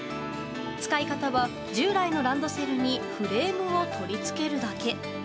使い方は従来のランドセルにフレームを取り付けるだけ。